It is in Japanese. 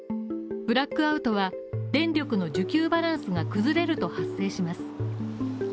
ブラックアウトは、電力の需給バランスが崩れると発生します。